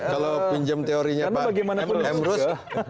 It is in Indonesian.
kalau pinjam teorinya pak emrus